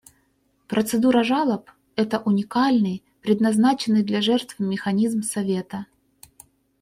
Процедура жалоб — это уникальный предназначенный для жертв механизм Совета.